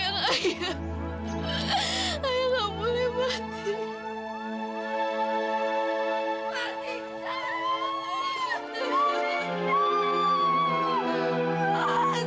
enggak boleh mati ayah